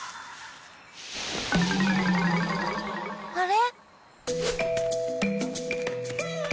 あれ？